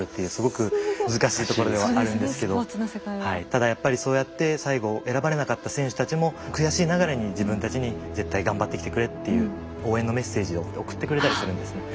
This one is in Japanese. ただやっぱりそうやって最後選ばれなかった選手たちも悔しいながらに自分たちに絶対頑張ってきてくれっていう応援のメッセージを送ってくれたりするんですね。